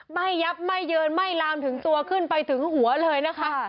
ไม่ยับไม่เยินไหม้ลามถึงตัวขึ้นไปถึงหัวเลยนะคะ